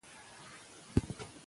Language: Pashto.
افغانستان يو لرغوني ټاټوبي دي